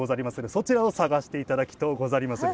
そちらを探して頂きとうござりまする。